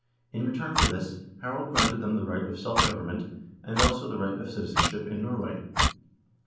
In return for this, Harald granted them the right of self government, and, also, the right of citizenship in Norway.